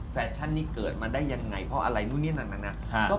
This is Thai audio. แฟชั่นนี้เกิดมาได้อย่างไหนพออะไรนู้นี้นานานานา